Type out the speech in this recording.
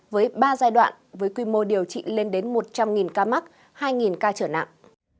với ba giai đoạn với quy mô điều trị lên đến một trăm linh ca mắc hai ca trở nặng